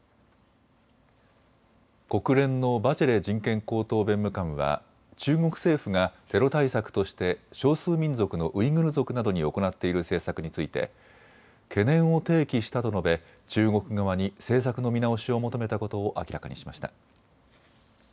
国連のバチェレ人権高等弁務官は中国政府がテロ対策として少数民族のウイグル族などに行っている政策について懸念を提起したと述べ中国側に政策の見直しを求めたことを明らかにしました。